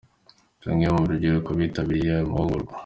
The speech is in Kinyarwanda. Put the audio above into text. Bamwe mu rubyiruko bitabiriye aya mahugurwa.